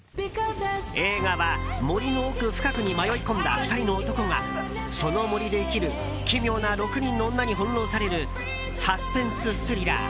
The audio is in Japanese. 映画は森の奥深くに迷い込んだ２人の男がその森で生きる奇妙な６人の女に翻弄されるサスペンススリラー。